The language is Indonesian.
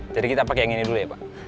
jadi kita pake yang ini dulu ya pak